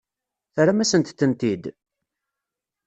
Terram-asent-tent-id?